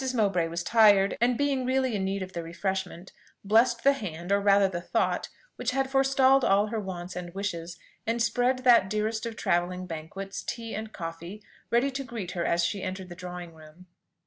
Mowbray was tired, and, being really in need of the refreshment, blessed the hand, or rather the thought, which had forestalled all her wants and wishes, and spread that dearest of travelling banquets, tea and coffee, ready to greet her as she entered the drawing room.